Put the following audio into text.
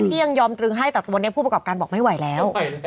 ยังยอมตรึงให้แต่วันนี้ผู้ประกอบการบอกไม่ไหวแล้ว